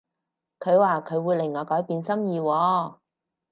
佢話佢會令我改變心意喎